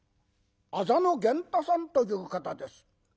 「あざの源太さんという方です」。